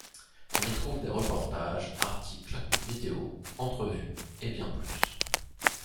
On y trouve des reportages, articles, vidéos, entrevues et bien plus.